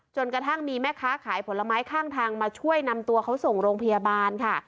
จนกระทั่งมีแม่ค้าขายผลไม้ข้างทางมาช่วยนำตัวเขาส่งโรงพยาบาลค่ะ